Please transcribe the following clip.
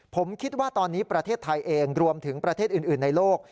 ผมคิดว่าตอนนี้ประเทศไทยเองรวมถึงประเทศอื่นในโลก